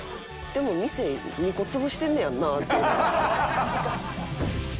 でも店２個潰してんねやんなっていうのを。